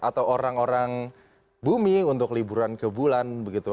atau orang orang bumi untuk liburan kebulan begitu